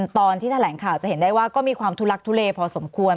ตอนที่แถลงข่าวจะเห็นได้ว่าก็มีความทุลักทุเลพอสมควร